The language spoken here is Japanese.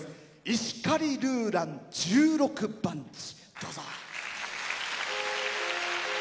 「石狩ルーラン十六番地」。